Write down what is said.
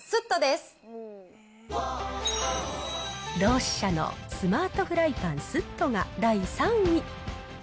ドウシシャのスマートフライパンスットが第３位。